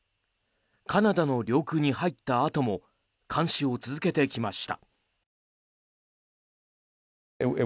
カナダの領空に入ったあとも監視を続けてきました。